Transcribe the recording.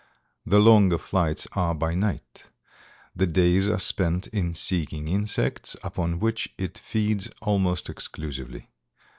The longer flights are by night. The days are spent in seeking insects, upon which it feeds almost exclusively.